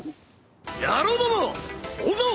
野郎ども追うぞ！